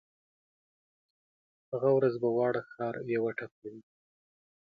هغه ورځ به واړه ښار یوه ټپه وي